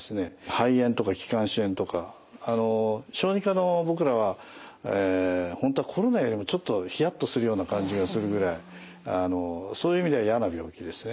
肺炎とか気管支炎とか小児科の僕らは本当はコロナよりもちょっとヒヤッとするような感じがするぐらいそういう意味では嫌な病気ですね。